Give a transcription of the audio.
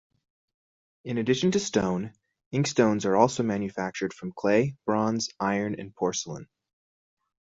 In addition to stone, inkstones are also manufactured from clay, bronze, iron, and porcelain.